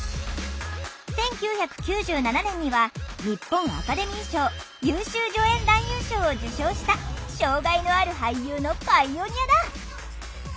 １９９７年には日本アカデミー賞優秀助演男優賞を受賞した障害のある俳優のパイオニアだ！